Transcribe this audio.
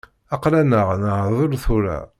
Aql-aneɣ neɛdel tura.